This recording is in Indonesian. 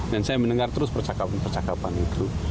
dan saya mendengar terus percakapan percakapan itu